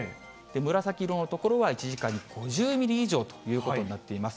紫色の所は１時間に５０ミリ以上ということになっています。